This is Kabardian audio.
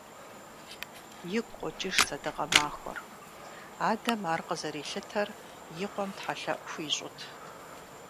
Игу къокӀыж сэдэкъэ махуэр… Адэм ар къызэрилъытэр и къуэм тхьэлъэӀу хуищӀут.